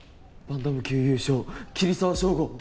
「バンタム級優勝桐沢祥吾」えっ？